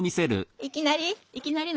いきなり？